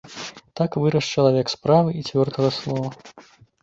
Так вырас чалавек справы і цвёрдага слова.